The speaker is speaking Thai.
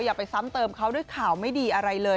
อย่าไปซ้ำเติมเขาด้วยข่าวไม่ดีอะไรเลย